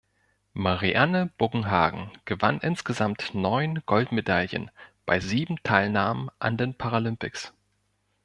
Marianne Buggenhagen gewann insgesamt neun Goldmedaillen bei sieben Teilnahmen an den Paralympics.